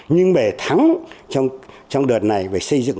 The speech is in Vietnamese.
nhưng về thắng trong đợt này về xây dựng